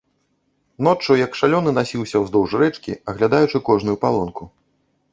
Ноччу як шалёны насіўся ўздоўж рэчкі, аглядаючы кожную палонку.